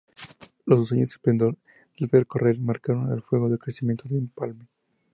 Los años de esplendor del ferrocarril marcaron a fuego el crecimiento de Empalme.